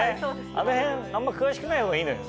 あの辺あんま詳しくない方がいいのよ。